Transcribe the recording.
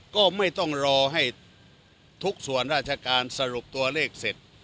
ก็ไม่ต้องรอให้ทุกส่วนราชการสรุปตัวเลขเสร็จ